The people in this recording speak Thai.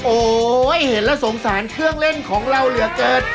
โอ้โหเห็นแล้วสงสารเครื่องเล่นของเราเหลือเกิน